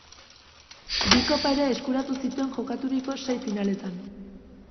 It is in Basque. Bi kopa ere eskuratu zituen jokaturiko sei finaletan.